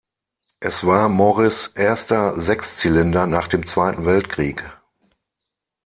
Es war Morris' erster Sechszylinder nach dem Zweiten Weltkrieg.